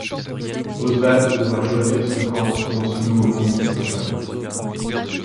Oswald devra choisir son camp dans ce nouveau monde qui s'offre a lui.